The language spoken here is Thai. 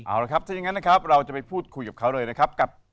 เอาละครับถ้าอย่างนั้นนะครับเราจะไปพูดคุยกับเขาเลยนะครับกับ